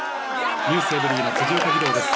『ｎｅｗｓｅｖｅｒｙ．』の辻岡義堂です。